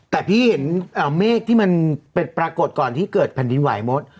แต่พี่เห็นเมฆที่มันเป็นปรากฏก่อนที่เกิดแผ่นดินไหวมด